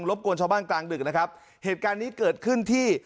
บกวนชาวบ้านกลางดึกนะครับเหตุการณ์นี้เกิดขึ้นที่